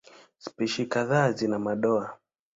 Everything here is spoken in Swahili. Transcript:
Spishi kadhaa zina madoa.